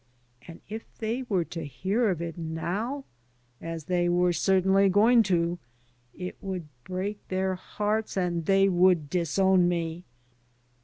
And if they were to hear of it now — as they were certainly going to — it would break their hearts and they would disown me.